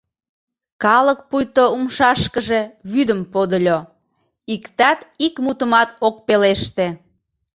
Калык пуйто умшашкыже вӱдым подыльо: иктат ик мутымат ок пелеште.